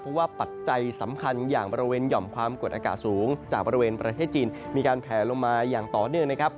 เพราะว่าปัจจัยสำคัญอย่างบริเวณหย่อมความกดอากาศสูงจากบริเวณประเทศจีนมีการแผลลงมาอย่างต่อเนื่องนะครับ